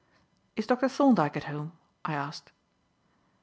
"Is Dr. Thorndyke at home?" I asked.